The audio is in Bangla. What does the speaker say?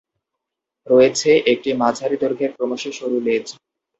রয়েছে একটি মাঝারি দৈর্ঘ্যের ক্রমশঃ সরু লেজ।